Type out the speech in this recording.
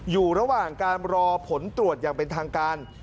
อยู่ระหว่างการรอผลตรวจอย่างเป็นทางการ